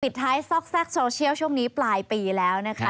ท้ายซอกแทรกโซเชียลช่วงนี้ปลายปีแล้วนะคะ